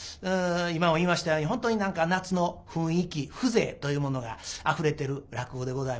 今も言いましたように本当に何か夏の雰囲気風情というものがあふれてる落語でございます。